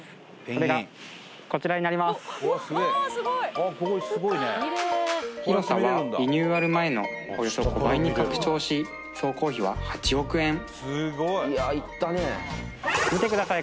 それがこちらになります広さはリニューアル前のおよそ５倍に拡張し総工費は８億円見てください